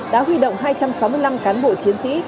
đã huy động hai trăm sáu mươi năm cán bộ chiến sĩ